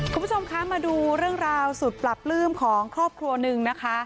คุณผู้ชมคะมาดูเรื่องราวสุดปรับปลื้มของครอบครัวหนึ่งนะคะ